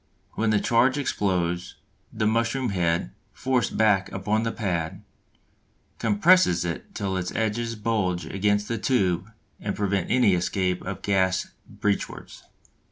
When the charge explodes, the mushroom head forced back upon the pad compresses it till its edges bulge against the tube and prevent any escape of gas breechwards.